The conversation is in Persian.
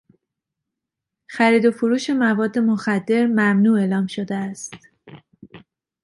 خرید و فروش مواد مخدر ممنوع اعلام شده است.